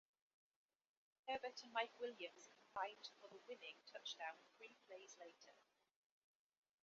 Herbert and Mike Williams combined for the winning touchdown three plays later.